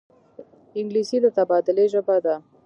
انګلیسي د تبادلې ژبه ده